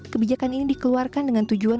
kebijakan ini dikeluarkan dengan tujuan